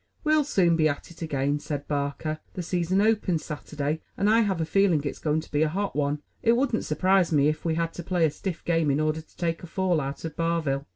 "We'll soon be at it again," said Barker. "The season opens Saturday, and I have a feeling it's going to be a hot one. It wouldn't surprise me if we had to play a stiff game in order to take a fall out of Barville.